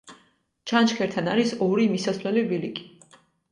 ჩანჩქერთან არის ორი მისასვლელი ბილიკი.